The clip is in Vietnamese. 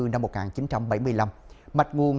năm một nghìn chín trăm bảy mươi năm mạch nguồn